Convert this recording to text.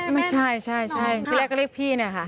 ไม่ใช่ใช่ที่แรกก็เรียกพี่เนี่ยค่ะ